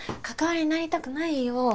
関わりになりたくないよ。